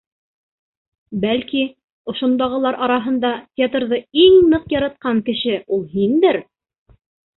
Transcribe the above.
Бәлки, ошондағылар араһында театрҙы иң ныҡ яратҡан кеше ул һиндер!